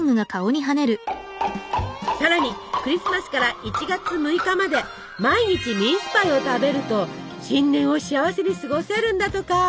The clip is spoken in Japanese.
さらにクリスマスから１月６日まで毎日ミンスパイを食べると新年を幸せに過ごせるんだとか。